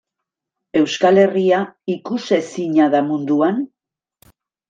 Euskal Herria ikusezina da munduan?